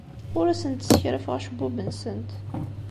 Ur asent-ssekrafeɣ acebbub-nsent.